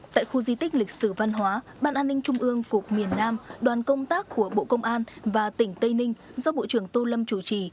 tại khu di tích lịch sử văn hóa ban an ninh trung ương cục miền nam đoàn công tác của bộ công an và tỉnh tây ninh do bộ trưởng tô lâm chủ trì